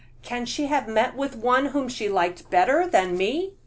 Can she have met any one whom she liked better than me?"